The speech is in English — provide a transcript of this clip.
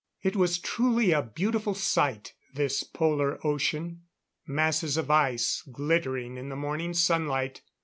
It was truly a beautiful sight, this Polar ocean. Masses of ice, glittering in the morning sunlight.